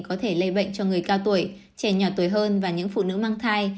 có thể lây bệnh cho người cao tuổi trẻ nhỏ tuổi hơn và những phụ nữ mang thai